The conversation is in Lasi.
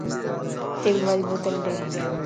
تيل واري بوتل ڏي